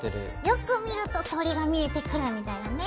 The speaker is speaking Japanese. よく見ると鳥が見えてくるみたいなね。